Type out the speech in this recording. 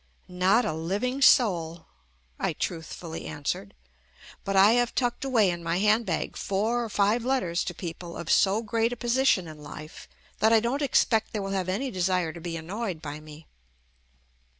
"Not a liv ing soul," I truthfully answered. "But I have tucked away in my hand bag four or five let ters to people of so great a position in life that I don't expect they will have any desire to be annoyed by me.